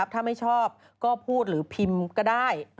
ถ้าไม่ชอบก็พูดหรือพิมพ์ก็ได้